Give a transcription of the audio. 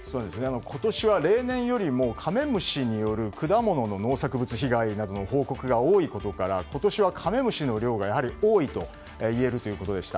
今年は例年よりもカメムシによる果物などへの農作物被害の報告が多いことから今年はカメムシの量が多いといえるということでした。